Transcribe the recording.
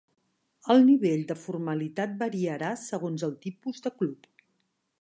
El nivell de formalitat variarà segons el tipus de club.